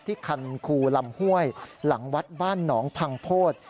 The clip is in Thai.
คันคูลำห้วยหลังวัดบ้านหนองพังโพธิ